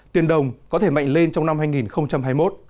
tiền đồng có thể mạnh lên trong năm hai nghìn hai mươi một